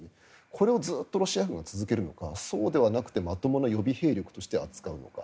これをずっとロシア軍が続けるのかそうではなくてまともな予備兵力として扱うのか